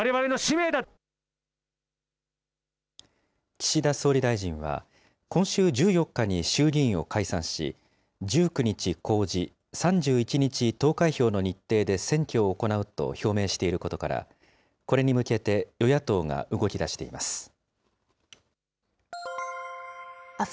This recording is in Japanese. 岸田総理大臣は、今週１４日に衆議院を解散し、１９日公示、３１日投開票の日程で選挙を行うと表明していることから、これに向けて与野党が動きだしています。